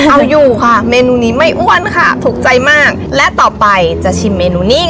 เอาอยู่ค่ะเมนูนี้ไม่อ้วนค่ะถูกใจมากและต่อไปจะชิมเมนูนิ่ง